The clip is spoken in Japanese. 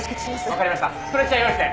分かりました。